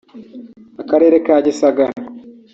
akarere ka Gisagara